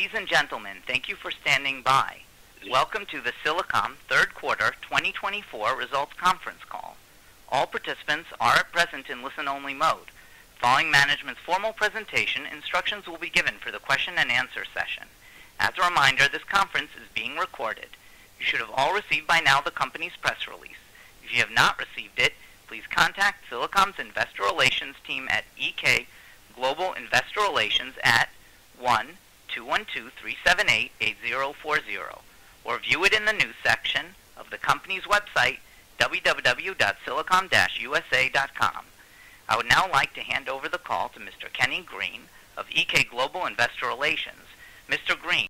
Ladies and gentlemen, thank you for standing by. Welcome to the Silicom third quarter 2024 results conference call. All participants are present in listen-only mode. Following management's formal presentation, instructions will be given for the question-and-answer session. As a reminder, this conference is being recorded. You should have all received by now the company's press release. If you have not received it, please contact Silicom's Investor Relations team at EK Global Investor Relations at 1-212-378-8040 or view it in the news section of the company's website, www.silicom-usa.com. I would now like to hand over the call to Mr. Kenny Green of EK Global Investor Relations. Mr. Green.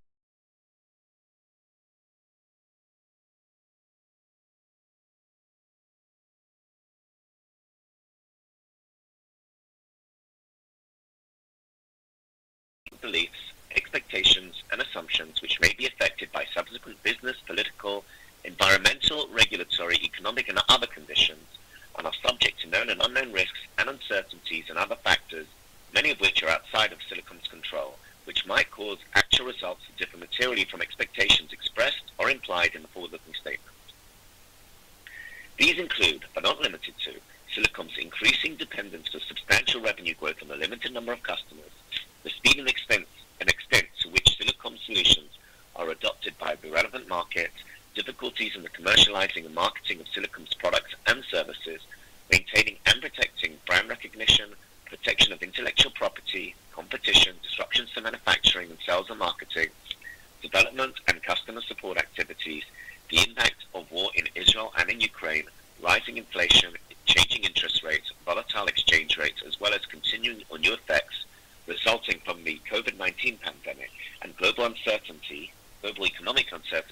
Beliefs, expectations, and assumptions which may be affected by subsequent business, political, environmental, regulatory, economic, and other conditions are subject to known and unknown risks and uncertainties and other factors, many of which are outside of Silicom's control, which might cause actual results to differ materially from expectations expressed or implied in the forward-looking statement. These include, but are not limited to, Silicom's increasing dependence for substantial revenue growth on a limited number of customers, the speed and extent to which Silicom solutions are adopted by the relevant markets, difficulties in the commercializing and marketing of Silicom's products and services, maintaining and protecting brand recognition, protection of intellectual property, competition, disruptions to manufacturing and sales and marketing, development and customer support activities, the impact of war in Israel and in Ukraine, rising inflation, changing interest rates, volatile exchange rates, as well as continuing adverse effects resulting from the COVID-19 pandemic, and global uncertainty, global economic uncertainty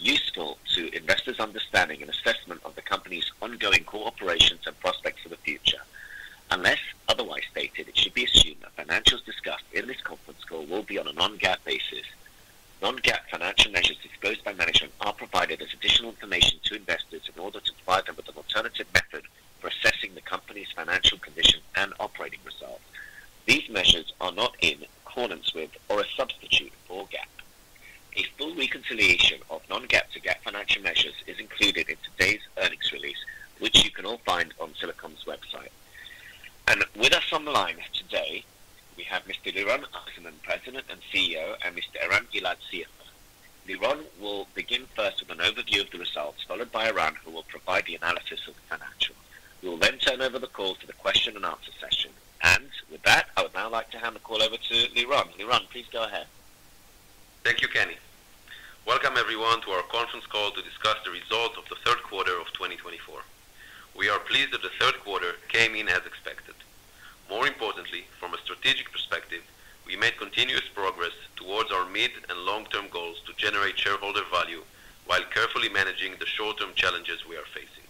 useful to investors' understanding and assessment of the company's ongoing core operations and we made continuous progress towards our mid- and long-term goals to generate shareholder value while carefully managing the short-term challenges we are facing.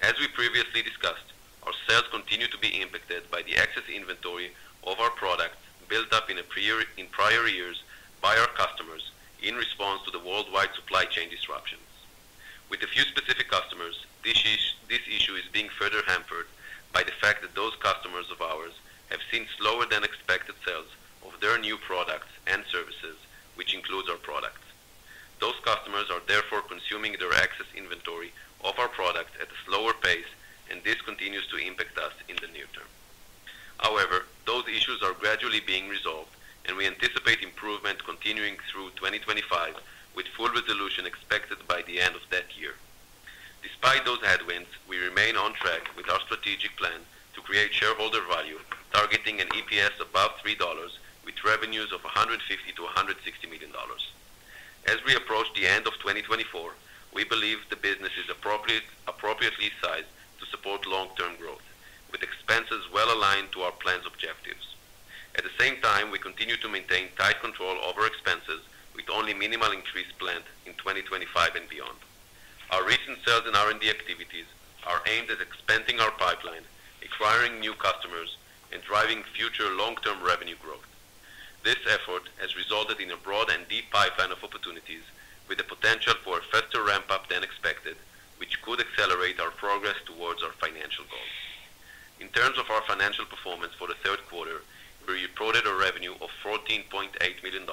As we previously discussed, our sales continue to be impacted by the excess inventory of our products built up in prior years by our customers in response to the worldwide supply chain disruptions. With a few specific customers, this issue is being further hampered by the fact that those customers of ours have seen slower-than-expected sales of their new products and services, which includes our products. Those customers are therefore consuming their excess inventory of our products at a slower pace, and this continues to impact us in the near term. However, those issues are gradually being resolved, and we anticipate improvement continuing through 2025, with full resolution expected by the end of that year. Despite those headwinds, we remain on track with our strategic plan to create shareholder value, targeting an EPS above $3 with revenues of $150-$160 million. As we approach the end of 2024, we believe the business is appropriately sized to support long-term growth, with expenses well aligned to our planned objectives. At the same time, we continue to maintain tight control over expenses, with only minimal increase planned in 2025 and beyond. Our recent sales and R&D activities are aimed at expanding our pipeline, acquiring new customers, and driving future long-term revenue growth. This effort has resulted in a broad and deep pipeline of opportunities, with the potential for a faster ramp-up than expected, which could accelerate our progress towards our financial goals. In terms of our financial performance for the third quarter, we reported a revenue of $14.8 million,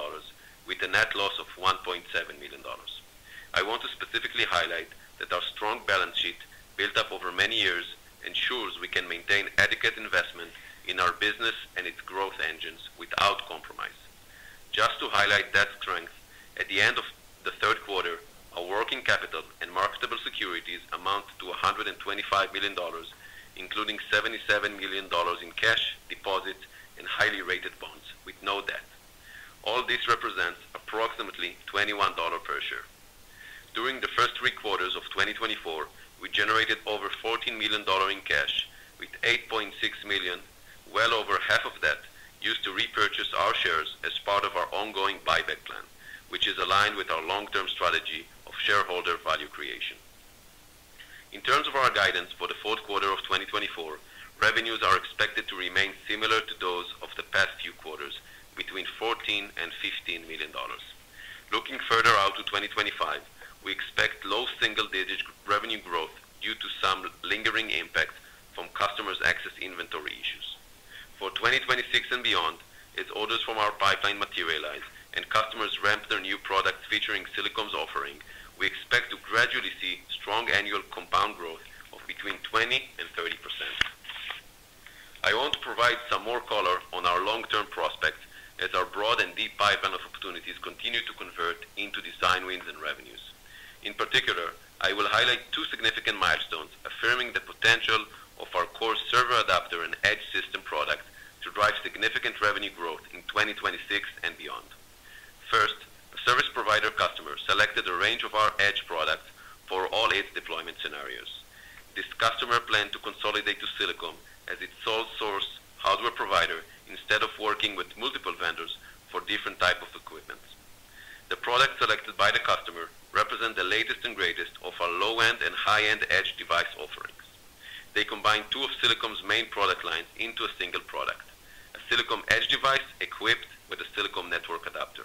with a net loss of $1.7 million. I want to specifically highlight that our strong balance sheet built up over many years ensures we can maintain adequate investment in our business and its growth engines without compromise. Just to highlight that strength, at the end of the third quarter, our working capital and marketable securities amount to $125 million, including $77 million in cash deposits and highly rated bonds with no debt. All this represents approximately $21 per share. During the first three quarters of 2024, we generated over $14 million in cash, with $8.6 million, well over half of that, used to repurchase our shares as part of our ongoing buyback plan, which is aligned with our long-term strategy of shareholder value creation. In terms of our guidance for the fourth quarter of 2024, revenues are expected to remain similar to those of the past few quarters, between $14 million and $15 million. Looking further out to 2025, we expect low single-digit revenue growth due to some lingering impact from customers' excess inventory issues. For 2026 and beyond, as orders from our pipeline materialize and customers ramp their new products featuring Silicom's offering, we expect to gradually see strong annual compound growth of between 20% and 30%. I want to provide some more color on our long-term prospects as our broad and deep pipeline of opportunities continue to convert into design wins and revenues. In particular, I will highlight two significant milestones affirming the potential of our core server adapter and edge system product to drive significant revenue growth in 2026 and beyond. First, a service provider customer selected a range of our edge products for all its deployment scenarios. This customer planned to consolidate to Silicom as its sole source hardware provider instead of working with multiple vendors for different types of equipment. The products selected by the customer represent the latest and greatest of our low-end and high-end edge device offerings. They combine two of Silicom's main product lines into a single product, a Silicom edge device equipped with a Silicom network adapter.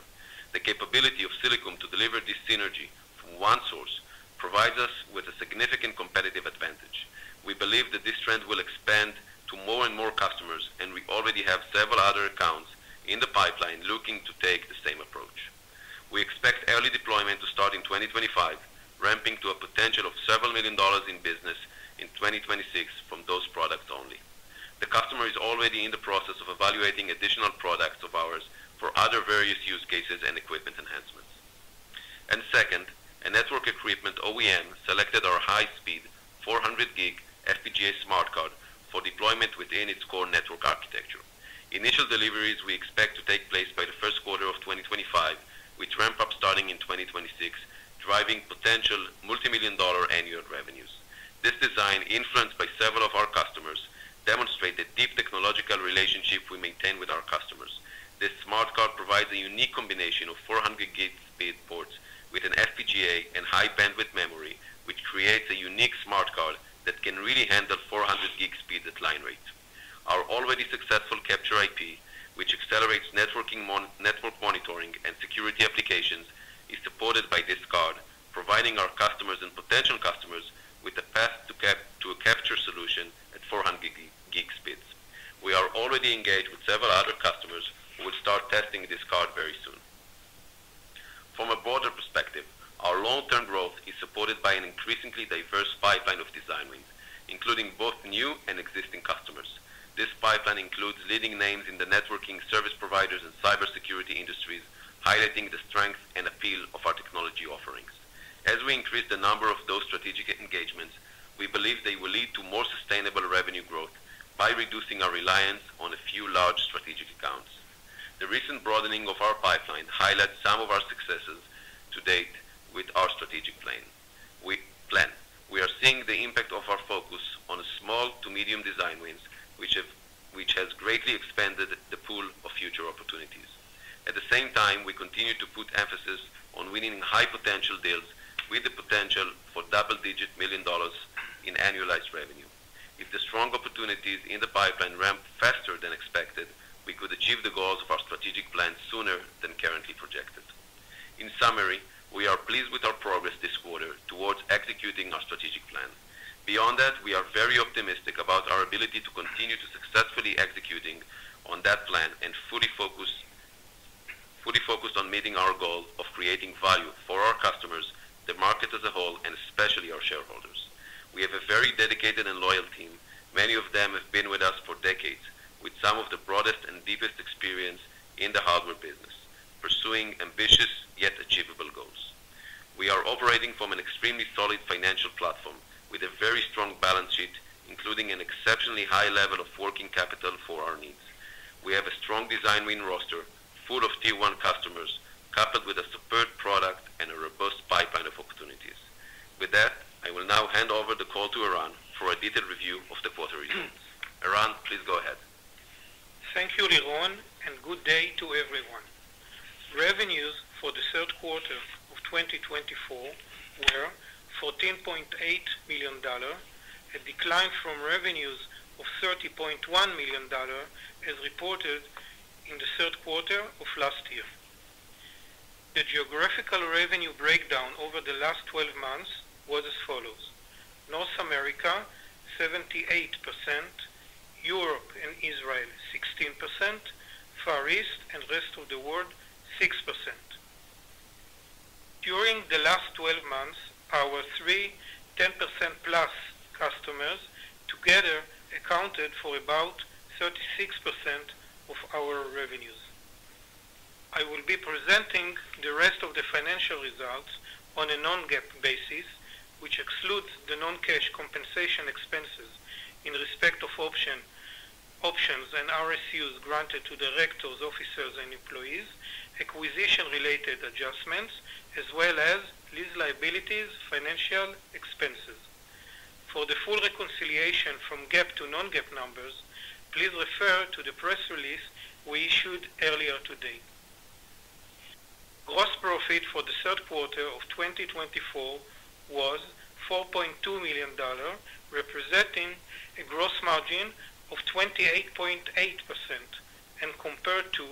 The capability of Silicom to deliver this synergy from one source provides us with a significant competitive advantage. We believe that this trend will expand to more and more customers, and we already have several other accounts in the pipeline looking to take the same approach. We expect early deployment to start in 2025, ramping to a potential of several million dollars in business in 2026 from those products only. The customer is already in the process of evaluating additional products of ours for other various use cases and equipment enhancements. And second, a network equipment OEM selected our high-speed 400 Gbps FPGA smart card for deployment within its core network architecture. Initial deliveries we expect to take place by the we believe they will lead to more sustainable revenue growth by reducing our reliance on a few large strategic accounts. The recent broadening of our pipeline highlights some of our successes to date with our strategic plan. We are seeing the impact of our focus on small to medium design wins, which has greatly expanded the pool of future opportunities. At the same time, we continue to put emphasis on winning high-potential deals with the potential for double-digit million dollars in annualized revenue. If the strong opportunities in the pipeline ramp faster than expected, we could achieve the goals of our strategic plan sooner than currently projected. In summary, we are pleased with our progress this quarter towards executing our strategic plan. Beyond that, we are very optimistic about our ability to continue to successfully execute on that plan and fully focused on meeting our goal of creating value for our customers, the market as a whole, and especially our shareholders. We have a very dedicated and loyal team. Many of them have been with us for decades, with some of the broadest and deepest experience in the hardware business, pursuing ambitious yet achievable goals. We are operating from an extremely solid financial platform with a very strong balance sheet, including an exceptionally high level of working capital for our needs. We have a strong design win roster full of tier-one customers, coupled with a superb product and a robust pipeline of opportunities. With that, I will now hand over the call to Eran for a detailed review of the quarter results. Eran, please go ahead. Thank you, Liron, and good day to everyone. Revenues for the third quarter of 2024 were $14.8 million, a decline from revenues of $30.1 million as reported in the third quarter of last year. The geographical revenue breakdown over the last 12 months was as follows: North America 78%, Europe and Israel 16%, Far East and rest of the world 6%. During the last 12 months, our three 10%+ customers together accounted for about 36% of our revenues. I will be presenting the rest of the financial results on a non-GAAP basis, which excludes the non-cash compensation expenses in respect of options and RSUs granted to directors, officers, and employees, acquisition-related adjustments, as well as lease liabilities, financial expenses. For the full reconciliation from GAAP to non-GAAP numbers, please refer to the press release we issued earlier today. Gross profit for the third quarter of 2024 was $4.2 million, representing a gross margin of 28.8%, and compared to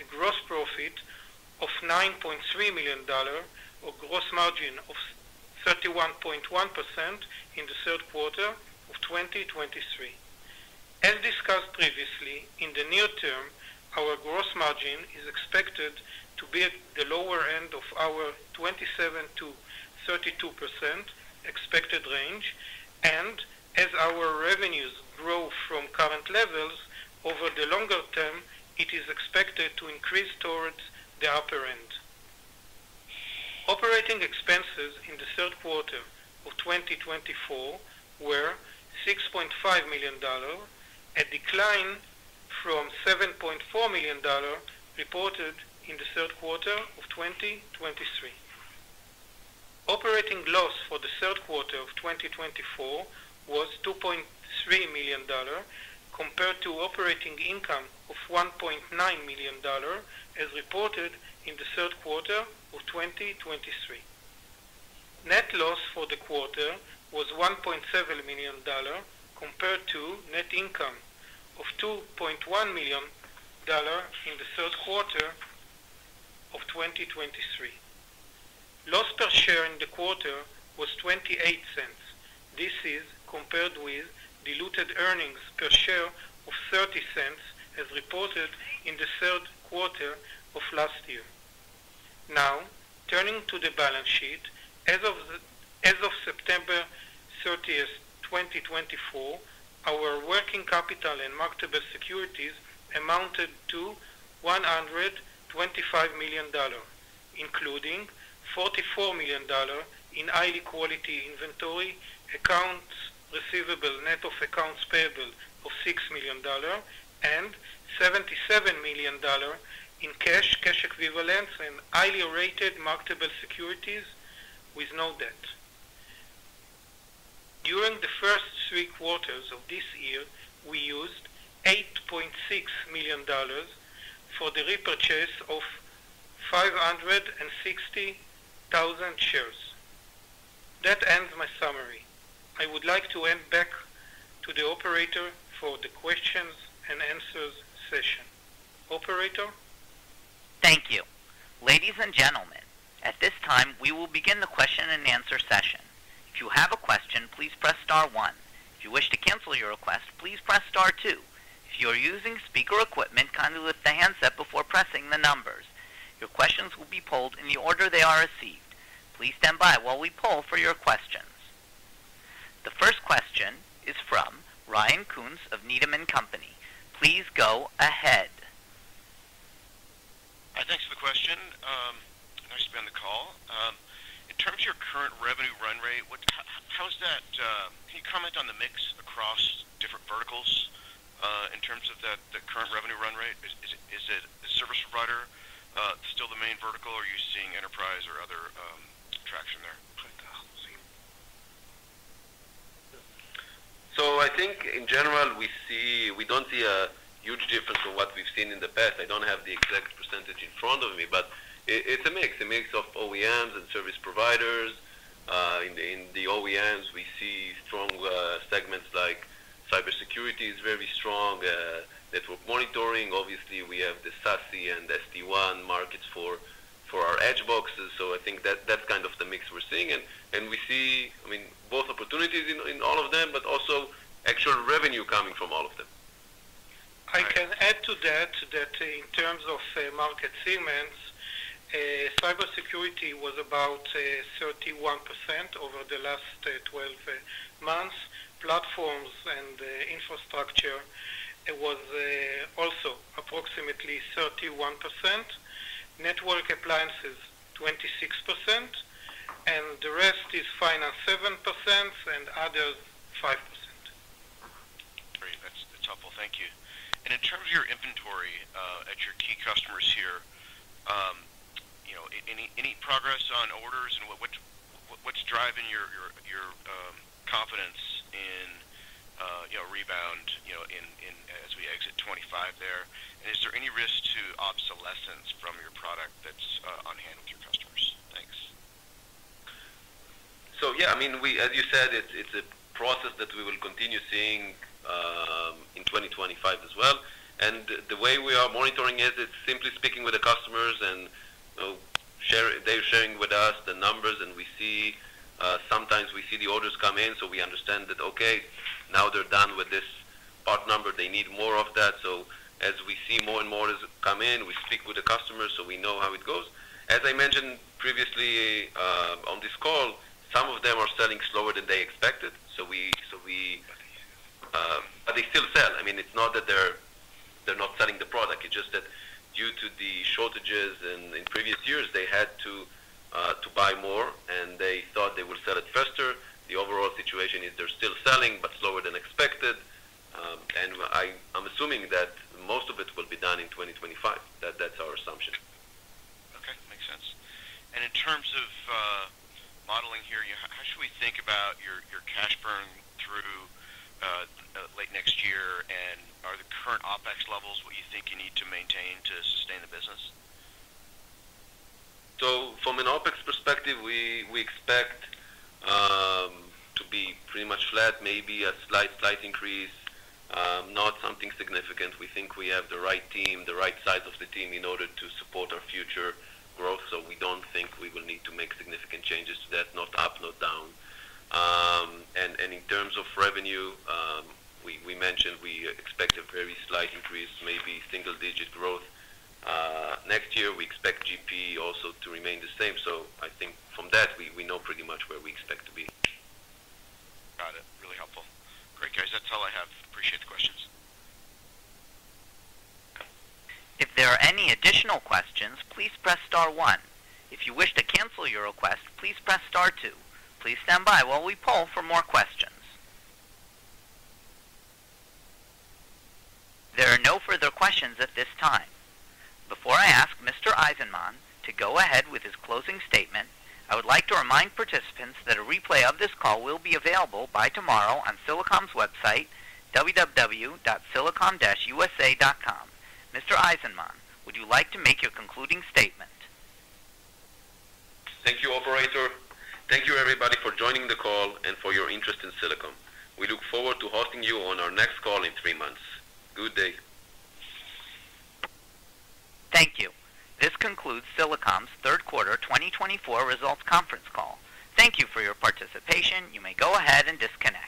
a gross profit of $9.3 million or gross margin of 31.1% in the third quarter of 2023. As discussed previously, in the near term, our gross margin is expected to be at the lower end of our 27%-32% expected range, and as our revenues grow from current levels over the longer term, it is expected to increase towards the upper end. Operating expenses in the third quarter of 2024 were $6.5 million, a decline from $7.4 million reported in the third quarter of 2023. Operating loss for the third quarter of 2024 was $2.3 million, compared to operating income of $1.9 million as reported in the third quarter of 2023. Net loss for the quarter was $1.7 million, compared to net income of $2.1 million in the third quarter of 2023. Loss per share in the quarter was $0.28. This is compared with diluted earnings per share of $0.30, as reported in the third quarter of last year. Now, turning to the balance sheet, as of September 30, 2024, our working capital and marketable securities amounted to $125 million, including $44 million in high-quality inventory, accounts receivable, net of accounts payable of $6 million, and $77 million in cash, cash equivalents, and highly rated marketable securities with no debt. During the first three quarters of this year, we used $8.6 million for the repurchase of 560,000 shares. That ends my summary. I would like to hand back to the operator for the questions and answers session. Operator. Thank you. Ladies and gentlemen, at this time, we will begin the question and answer session. If you have a question, please press star one. If you wish to cancel your request, please press star two. If you are using speaker equipment, kindly lift the handset before pressing the numbers. Your questions will be polled in the order they are received. Please stand by while we poll for your questions. The first question is from Ryan Koontz of Needham & Company. Please go ahead. Hi, thanks for the question. Nice to be on the call. In terms of your current revenue run rate, how is that? Can you comment on the mix across different verticals in terms of the current revenue run rate? Is the service provider still the main vertical, or are you seeing enterprise or other traction there? So I think, in general, we don't see a huge difference from what we've seen in the past. I don't have the exact percentage in front of me, but it's a mix, a mix of OEMs and service providers. In the OEMs, we see strong segments like cybersecurity is very strong, network monitoring. Obviously, we have the SASE and SD-WAN markets for our edge boxes. So I think that's kind of the mix we're seeing. And we see, I mean, both opportunities in all of them, but also actual revenue coming from all of them. I can add to that that in terms of market segments, cybersecurity was about 31% over the last 12 months. Platforms and infrastructure was also approximately 31%. Network appliances, 26%, and the rest is finance, 7%, and others, 5%. Great. That's helpful. Thank you. And in terms of your inventory at your key customers here, any progress on orders? And what's driving your confidence in rebound as we exit 2025 there? And is there any risk to obsolescence from your product that's on hand with your customers? Thanks. So yeah, I mean, as you said, it's a process that we will continue seeing in 2025 as well. And the way we are monitoring it, it's simply speaking with the customers, and they're sharing with us the numbers, and sometimes we see the orders come in, so we understand that, okay, now they're done with this part number. They need more of that. So as we see more and more come in, we speak with the customers so we know how it goes. As I mentioned previously on this call, some of them are selling slower than they expected. So they still sell. I mean, it's not that they're not selling the product. It's just that due to the shortages in previous years, they had to buy more, and they thought they would sell it faster. The overall situation is they're still selling, but slower than expected. I'm assuming that If you wish to cancel your request, please press star two. Please stand by while we poll for more questions. There are no further questions at this time. Before I ask Mr. Eizenman to go ahead with his closing statement, I would like to remind participants that a replay of this call will be available by tomorrow on Silicom's website, www.silicom-usa.com. Mr. Eizenman, would you like to make your concluding statement? Thank you, Operator. Thank you, everybody, for joining the call and for your interest in Silicom. We look forward to hosting you on our next call in three months. Good day. Thank you. This concludes Silicom's third quarter 2024 results conference call. Thank you for your participation. You may go ahead and disconnect.